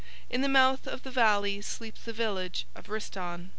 In the mouth of the valley sleeps the village of Rhistaun.